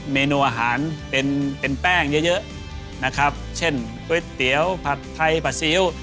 เมนูอาหารเป็นแป้งเยอะเช่นก๋วยเตี๊ยวผัดไทยผัดซีอิ๊ว